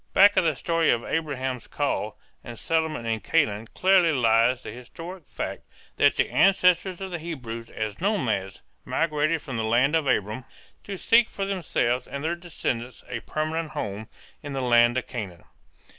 Back of the story of Abraham's call and settlement in Canaan clearly lies the historic fact that the ancestors of the Hebrews as nomads migrated from the land of Aram to seek for themselves and their descendants a permanent home in the land of Canaan.